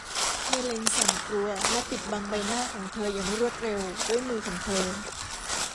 เฮเลนสั่นกลัวและปิดบังใบหน้าของเธออย่างรวดเร็วด้วยมือของเธอ